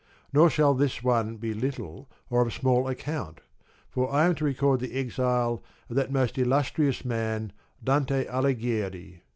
Nor shall this one be little or of small account, for I am to record the exile of that most illustrious man, Dante Alighieri.